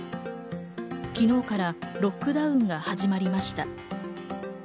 昨日からロックダウンが始まりました。